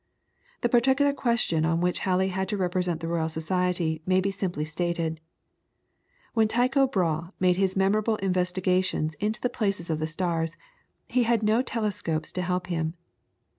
The particular question on which Halley had to represent the Royal Society may be simply stated. When Tycho Brahe made his memorable investigations into the places of the stars, he had no telescopes to help him.